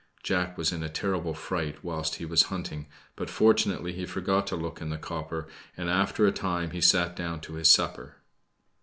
Jack was in a terrible fright whilst he was hunting: but fortunately, he forgot to look in the copper, and after a time he sat down to his supper.